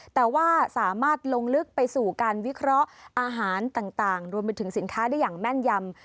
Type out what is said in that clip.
แต่ว่าสามารถลงลึกไปสู่การวิเคราะห์อาหารต่างรวมไปถึงสินค้าได้อย่างแม่นยำ